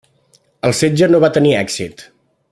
El setge no va tenir èxit.